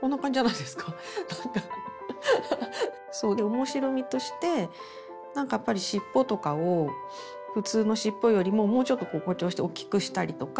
面白みとしてなんかやっぱりしっぽとかを普通のしっぽよりももうちょっと誇張しておっきくしたりとか。